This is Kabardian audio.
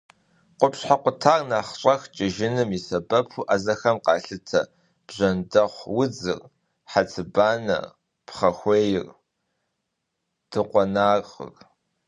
Къупщхьэ къутар нэхъ щӏэх кӏыжыным и сэбэпу ӏэзэхэм къалъытэ бжэндэхъу удзыр, хьэцыбанэр, пхъэхуейр, дыкъуэнагъыр.